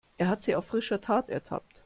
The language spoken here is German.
Er hat sie auf frischer Tat ertappt.